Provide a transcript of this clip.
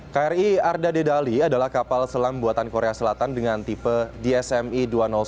kri arda dedali adalah kapal selam buatan korea selatan dengan tipe dsmi dua ratus sembilan seribu empat ratus